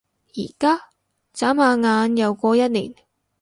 而家？眨下眼又過一年